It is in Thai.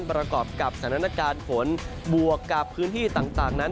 ประกอบกับสถานการณ์ฝนบวกกับพื้นที่ต่างนั้น